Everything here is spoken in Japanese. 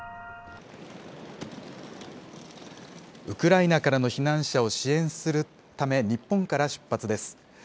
ウクライナからの避難者を支援するため、日本から出発です。